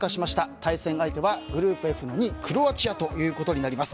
対戦相手はグループＦの２位クロアチアということになります。